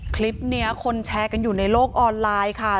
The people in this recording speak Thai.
คลิปนี้คนแชร์กันอยู่ในโลกออนไลน์ค่ะ